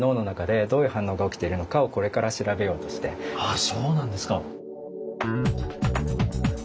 あそうなんですか。